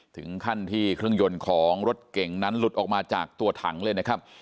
ถึงขั้นที่เครื่องยนต์ของรถเก่งนั้นหลุดออกมาจากตัวถังเลยนะครับ